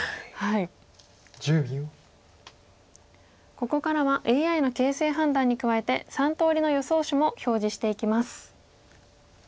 ここからはＡＩの形勢判断に加えて３通りの予想手も表示していきます。